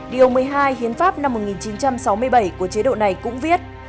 điều một mươi hai hiến pháp năm một nghìn chín trăm sáu mươi bảy của chế độ này cũng viết